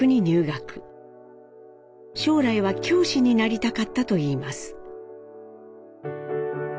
将来は教師になりたかったといいます。